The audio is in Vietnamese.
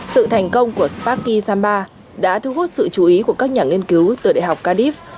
sự thành công của spaki samba đã thu hút sự chú ý của các nhà nghiên cứu từ đại học calif